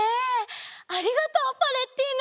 ありがとうパレッティーノ。